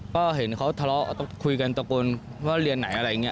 ก็เห็นเขาทะเลาะคุยกันตะโกนว่าเรียนไหนอะไรอย่างนี้